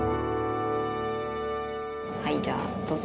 はいじゃあどうぞ。